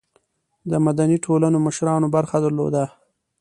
د مدني ټولنو مشرانو برخه درلوده.